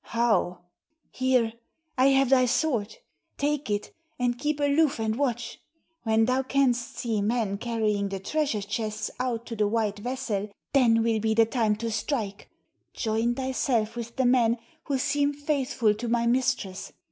"How?" "Here, I have thy sword. Take it, and keep aloof and watch. When thou canst see men carrying the treasure chests out to the white vessel, then will be the time to strike. Join thyself with the men who seem faithful to my mistress.